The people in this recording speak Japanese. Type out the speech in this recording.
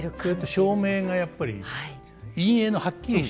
照明がやっぱり陰影のはっきりした。